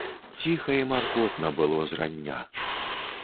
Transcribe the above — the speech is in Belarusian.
Ціха і маркотна было зрання.